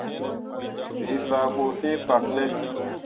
We faa bu fĩĩ kpak ne?